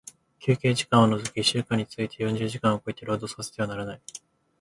休憩時間を除き一週間について四十時間を超えて、労働させてはならない。